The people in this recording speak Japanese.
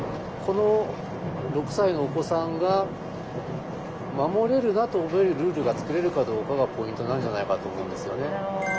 この６歳のお子さんが守れるなと思えるルールが作れるかどうかがポイントなんじゃないかと思うんですよね。